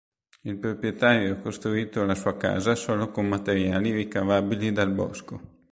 Il proprietario ha costruito la sua casa solo con materiali ricavabili dal bosco.